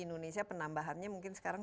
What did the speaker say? indonesia penambahannya mungkin sekarang